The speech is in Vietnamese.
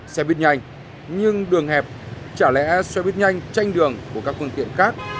xe buýt nhanh nhưng đường hẹp trả lẽ xe buýt nhanh tranh đường của các phương tiện khác